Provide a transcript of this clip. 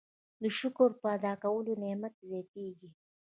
د شکر په ادا کولو نعمت زیاتیږي.